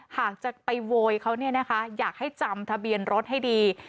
หากจะไปโวยเขาอยากให้จำทะเบียนรถให้ดี